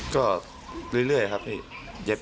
ก็เรื่อยครับ